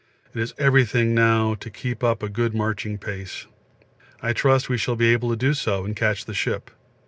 It is everything now to keep up a good marching pace; I trust we shall be able to do so and catch the ship.